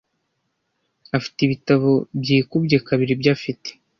Afite ibitabo byikubye kabiri ibyo afite.